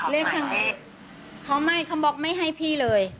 เลขทางนี้เขาไม่เขาบอกไม่ให้พี่เลย